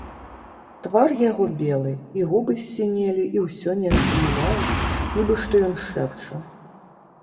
Твар яго белы, і губы ссінелі і ўсё нешта мыляюць, нібы што ён шэпча.